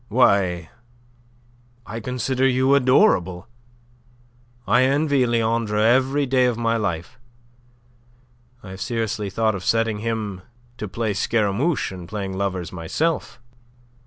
Why... I consider you adorable. I envy Leandre every day of my life. I have seriously thought of setting him to play Scaramouche, and playing lovers myself."